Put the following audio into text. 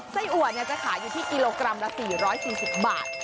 อัวจะขายอยู่ที่กิโลกรัมละ๔๔๐บาท